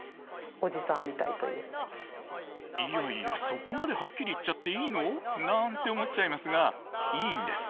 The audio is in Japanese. いやいやそこまでハッキリ言っちゃっていいの？なんて思っちゃいますがいいんです。